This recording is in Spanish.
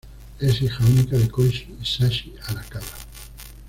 Es hija única de Koichi y Sachi Arakawa.